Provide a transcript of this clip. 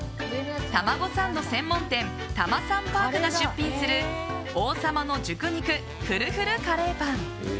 たまごサンド専門店ＴＡＭＡＳＡＮＰＡＲＫが出品する王様の熟肉ふるふるカレーパン。